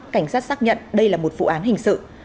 cảnh sát xác nhận đây là một vụ án hình sự